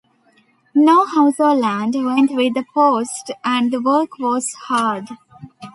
No house or land went with the post and the work was hard.